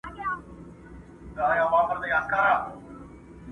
خزان یې مه کړې الهي تازه ګلونه!.